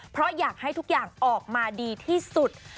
เพราะอยากให้ทุกอย่างออกมาดีที่สุด